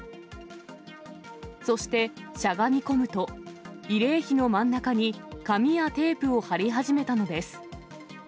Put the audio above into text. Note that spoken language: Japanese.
そして、しゃがみ込むと、慰霊碑の真ん中に紙やテープを貼り始めたのです。